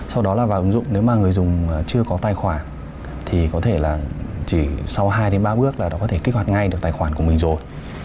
sau đó là vào ứng dụng nếu mà người dùng chưa có tài khoản thì có thể là chỉ sau hai ba bước là nó có thể kích hoạt ngay được tài khoản của mình rồi